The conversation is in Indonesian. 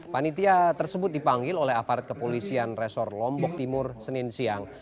panitia tersebut dipanggil oleh aparat kepolisian resor lombok timur senin siang